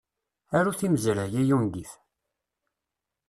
Aru timezray, ay ungif!